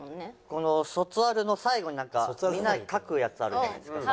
この卒アルの最後にみんな書くやつあるじゃないですか。